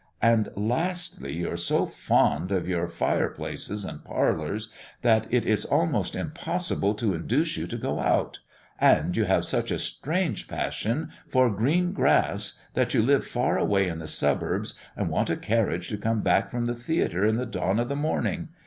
And lastly, you are so fond of your fire places and parlours, that it is almost impossible to induce you to go out; and you have such a strange passion for green grass, that you live far away in the suburbs, and want a carriage to come back from the theatre in the dawn of the morning.